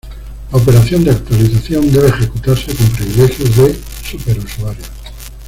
La operación de actualización debe ejecutarse con privilegios de superusuario.